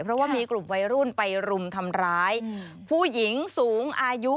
เพราะว่ามีกลุ่มวัยรุ่นไปรุมทำร้ายผู้หญิงสูงอายุ